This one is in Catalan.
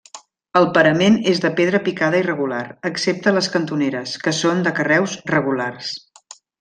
El parament és de pedra picada irregular excepte les cantoneres que són de carreus regulars.